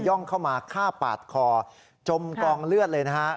่องเข้ามาฆ่าปาดคอจมกองเลือดเลยนะฮะ